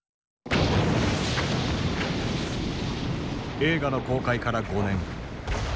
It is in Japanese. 映画の公開から５年。